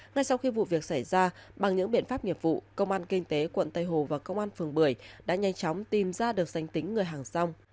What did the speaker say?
ngay sau khi vụ việc xảy ra bằng những biện pháp nghiệp vụ công an kinh tế quận tây hồ và công an phường bưởi đã nhanh chóng tìm ra được danh tính người hàng xong